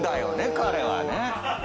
彼はね。